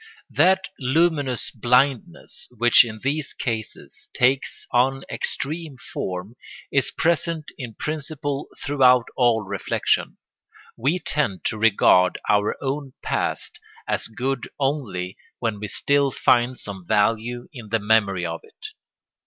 ] That luminous blindness which in these cases takes an extreme form is present in principle throughout all reflection. We tend to regard our own past as good only when we still find some value in the memory of it.